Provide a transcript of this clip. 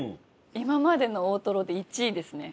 今までの大トロで１位ですね。